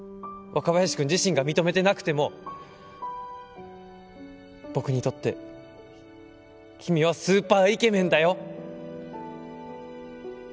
若林くん自身が認めてなくても僕にとって君はスーパーイケメンだよ！